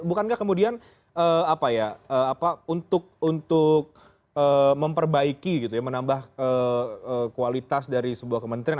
bukankah kemudian apa ya untuk memperbaiki gitu ya menambah kualitas dari sebuah kementerian